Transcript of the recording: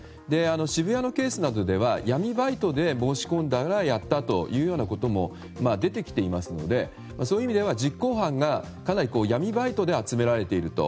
渋谷のケースでは闇バイトで申し込んでやったということも出てきていますのでそういう意味では、実行犯が闇バイトで集められていると。